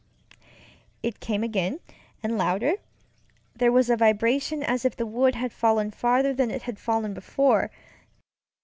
It came again, and louder. There was a vibration as if the wood had fallen farther than it had fallen before.